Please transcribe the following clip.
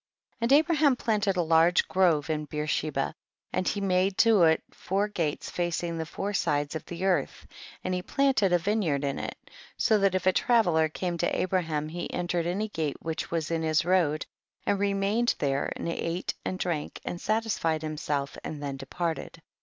1 1 . And Abraham planted a large grove in Beersheba, and he made to it four gates facing the four sides of the earth, and he planted a vineyard in it, so that if a traveller came to Abraham he entered any gate which was in his road, and remained there and ate and drank and satisfied him self and then departed.